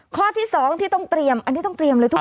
ข้อที่๒ที่ต้องเตรียมอันนี้ต้องเตรียมเลยทุก